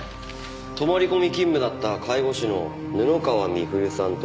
泊まり込み勤務だった介護士の布川美冬さんと井手穂香さん